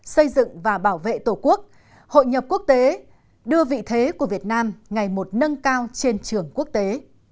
xây dựng và bảo vệ tổ quốc hội nhập quốc tế đưa vị thế của việt nam ngày một nâng cao trên trường quốc tế